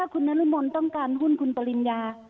คุณนรมนต้องการหุ้นคุณปริญญา